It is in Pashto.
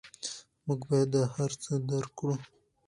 موږ باید دا هر څه درک کړو.